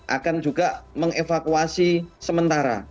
akan juga mengevakuasi sementara